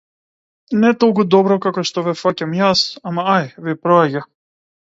Не толку добро како што ве фаќам јас, ама ај, ви проаѓа.